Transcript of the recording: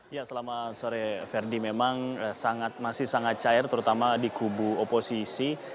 ya selama sore ferdi memang masih sangat cair terutama di kubu oposisi